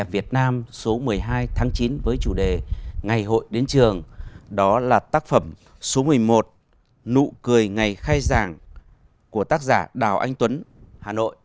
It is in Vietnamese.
về khai giảng của tác giả đào anh tuấn hà nội